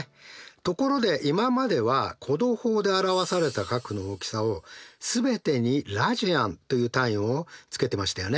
ところで今までは弧度法で表された角の大きさを全てにラジアンという単位をつけていましたよね。